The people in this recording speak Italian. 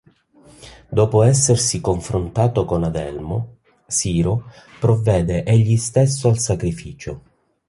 Dopo essersi confrontato con Adelmo, Siro provvede egli stesso al sacrificio.